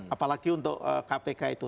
apalagi untuk kpk itu